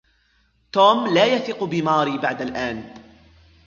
توم لا يثق بماري بعد الآن.